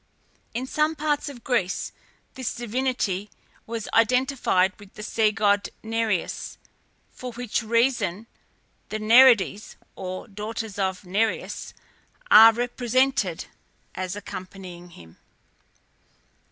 In some parts of Greece this divinity was identified with the sea god Nereus, for which reason the Nereides, or daughters of Nereus, are represented as accompanying him.